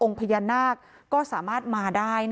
พญานาคก็สามารถมาได้